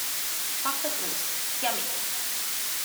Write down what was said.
Chocolate mousse; yummy!